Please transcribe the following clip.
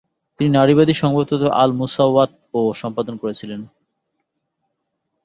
তিনি নারীবাদী সংবাদপত্র "আল-মুসাওয়াতও" সম্পাদনা করেছিলেন।